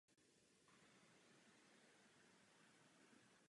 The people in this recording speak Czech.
North Vancouver je nejmenší a nejvíce zastavěné město na severu fjordu.